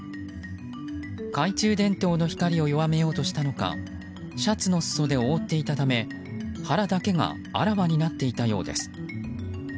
懐中電灯の光を弱めようとしたのかシャツの裾で覆っていたため腹だけがあらわになっていたようです。